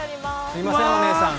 すいません、お姉さん。